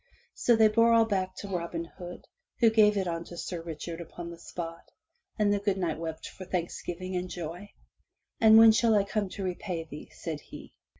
So they bore all back to Robin Hood, who gave it unto Sir Richard upon the spot, and the good Knight wept for thanks giving and joy. "And when shall I come to repay thee?'' said he.